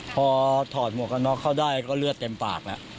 พอถอดหมวกกันน็อกเข้าได้ก็เลือดเต็มปากแล้ว